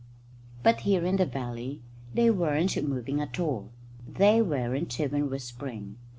But here in the valley they weren't moving at all. They weren't even whispering.